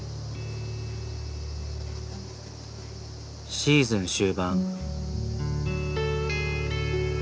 シーズン終盤。